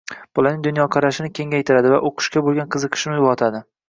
bolaning dunyoqarashini kengaytiradi va o‘qishga bo‘lgan qiziqishini uyg‘otadi.